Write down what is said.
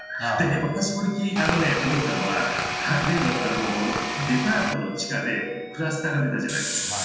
私、これ、思ったのは、例のデパートの地下でクラスターが出たじゃないですか。